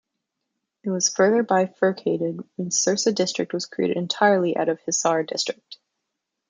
It was further bifurcated when Sirsa district was created entirely out of Hisar District.